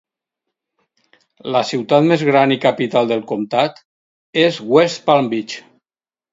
La ciutat més gran i capital del comtat és West Palm Beach.